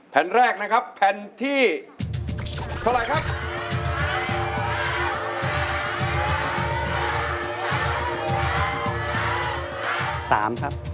แผ่นแรกนะครับแผ่นที่เท่าไหร่ครับ